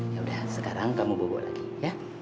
ya udah sekarang kamu bawa lagi ya